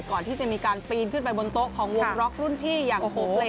ก่อนที่จะมีการปีนขึ้นไปบนโต๊ะของวงล็อกรุ่นพี่อย่างโฮเล